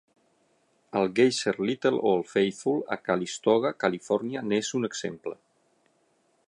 El guèiser Little Old Faithful, a Calistoga, Califòrnia, n'és un exemple.